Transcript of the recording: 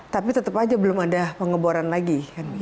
tapi tetap aja belum ada pengeboran lagi